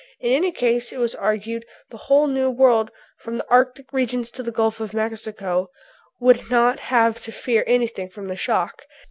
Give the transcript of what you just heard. In any case, it was argued, the whole new world, from the Arctic regions to the Gulf of Mexico, would not have to fear anything from the shock.